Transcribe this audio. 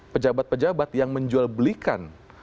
pejabat pejabat yang menjual belikan